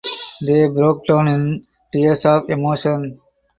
They broke down in tears of emotion.